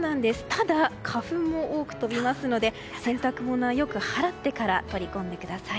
ただ、花粉も多く飛びますので洗濯物は、よく払ってから取り込んでください。